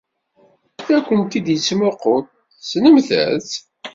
La kent-id-yettmuqqul. Tessnemt-t?